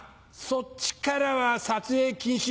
そっちからは撮影禁止。